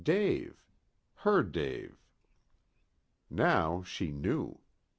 Dave her Dave. Now she knew.